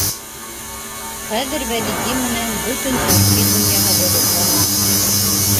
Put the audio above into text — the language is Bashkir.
Хәҙер Вәлиди менән бөтөн төрки донъяһы ғорурлана.